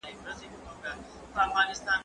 زه مخکي موبایل کارولی و،